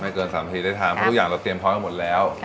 เกิน๓นาทีได้ทานเพราะทุกอย่างเราเตรียมพร้อมกันหมดแล้ว